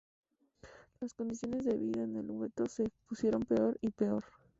Las condiciones de vida en el gueto se pusieron peor y peor.